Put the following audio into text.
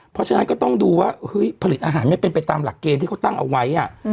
เพราะฉะนั้นก็ต้องดูว่าเฮ้ยผลิตอาหารไม่เป็นไปตามหลักเกณฑ์ที่เขาตั้งเอาไว้